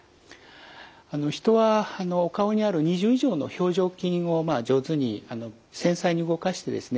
人はお顔にある２０以上の表情筋を上手に繊細に動かしてですね